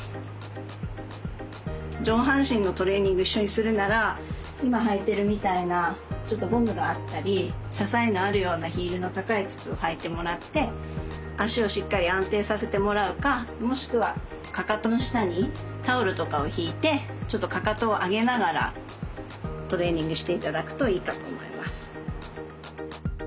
上半身のトレーニング一緒にするなら今履いてるみたいなちょっとゴムがあったり支えのあるようなヒールの高い靴を履いてもらって足をしっかり安定させてもらうかもしくはかかとの下にタオルとかをひいてちょっとかかとを上げながらトレーニングして頂くといいかと思います。